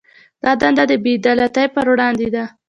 دا دنده د بې عدالتۍ پر وړاندې ده.